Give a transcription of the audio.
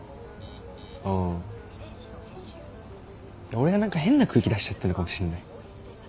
俺が何か変な空気出しちゃってんのかもしんない。